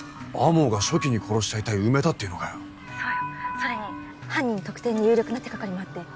それに犯人特定に有力な手掛かりもあって。